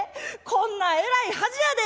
こんなえらい恥やで！」。